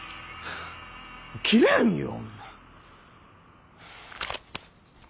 切れんよ。